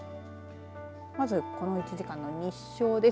まずこの１時間の日照です。